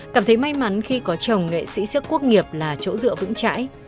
cảm thấy may mắn khi có chồng nghệ sĩ siếc quốc nghiệp là chỗ dựa vững chãi